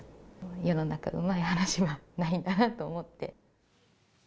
世の中うまい話はないんだなと思って。